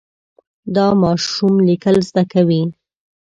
دا ماشوم لیکل زده کوي.